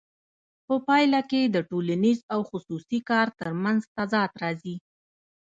په پایله کې د ټولنیز او خصوصي کار ترمنځ تضاد راځي